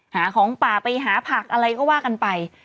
หาของป่าไปหาผักอะไรก็ว่ากันไป